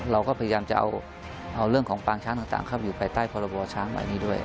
เราก็พยายามจะเอาเรื่องของปางช้างต่างเข้าไปอยู่ภายใต้พรบช้างเหล่านี้ด้วย